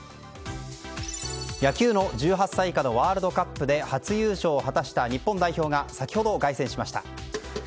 野球の１８歳以下のワールドカップで初優勝を果たした日本代表が先ほど、凱旋しました。